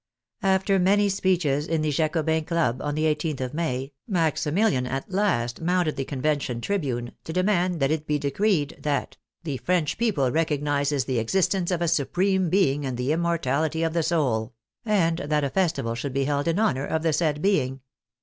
After many speeches in the Jacobins' Club, on the i8th of May, Maximilian at last mounted the Convention tribune to demand that it be de creed that " the French people recognizes the existence of a Supreme Being and the immortality of the soul," and that a festival should be held in honor of the said Being.